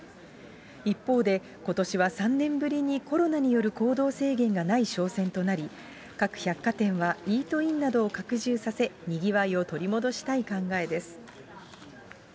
一方で、ことしは３年ぶりにコロナによる行動制限がない商戦となり、各百貨店はイートインなどを拡充させ、にぎわいを取り戻したい考えです。